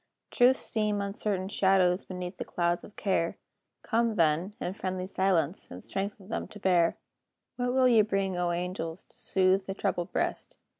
Truths seem uncertain shadows Beneath the clouds of care; Come, then, in friendly silence, And strengthen them to bear. What will ye bring, O angels, To soothe the troubled breast?